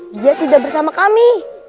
dia tidak bersama kami